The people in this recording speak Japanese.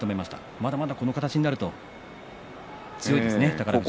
まだまだこの形になると強いですね、宝富士。